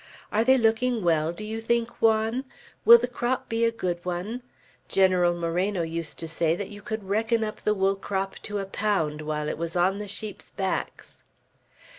Are they looking well, do you think, Juan? Will the crop be a good one? General Moreno used to say that you could reckon up the wool crop to a pound, while it was on the sheep's backs."